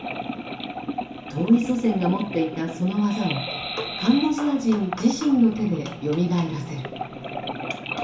遠い祖先が持っていたその技をカンボジア人自身の手でよみがえらせる。